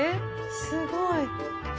すごい。